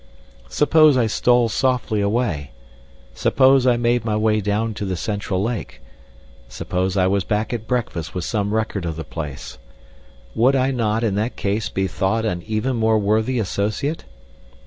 Suppose I stole softly away, suppose I made my way down to the central lake, suppose I was back at breakfast with some record of the place would I not in that case be thought an even more worthy associate?